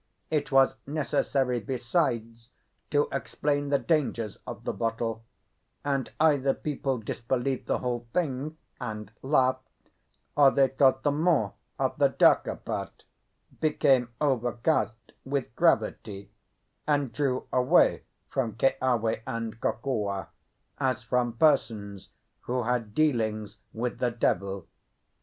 It was necessary besides to explain the dangers of the bottle; and either people disbelieved the whole thing and laughed, or they thought the more of the darker part, became overcast with gravity, and drew away from Keawe and Kokua, as from persons who had dealings with the devil.